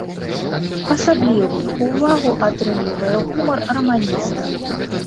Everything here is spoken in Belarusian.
Асаблівую ўвагу атрымлівае гумар раманіста.